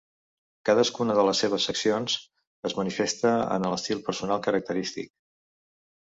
Cadascuna de les seves seccions es manifesta en un estil personal característic.